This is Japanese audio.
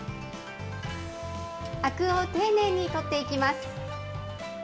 あくを丁寧に取っていきます。